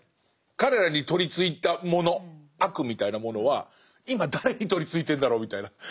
彼らに取りついたもの悪みたいなものは今誰に取りついてるんだろうみたいな。